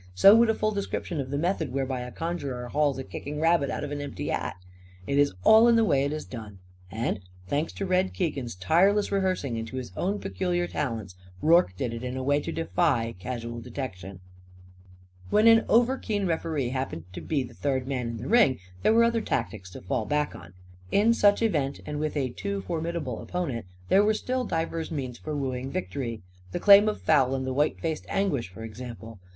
So would a full description of the method whereby a conjurer hauls a kicking rabbit out of an empty hat. It is all in the way it is done. And, thanks to Red Keegan's tireless rehearsing and to his own peculiar talents, Rorke did it in a way to defy casual detection. When an overkeen referee happened to be the third man in the ring there were other tactics to fall back on. In such event and with a too formidable opponent, there were still divers means for wooing victory the claim of foul and the white faced anguish, for example.